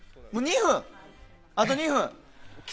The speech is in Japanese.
あと２分！